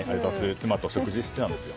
妻と食事をしていたんですよ。